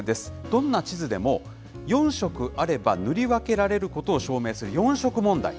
どんな地図でも、四色あれば、塗り分けられることを証明する四色問題。